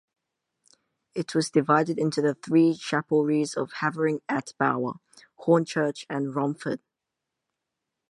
It was divided into the three chapelries of Havering-atte-Bower, Hornchurch and Romford.